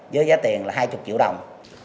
với giá tiền là hai mươi triệu đồng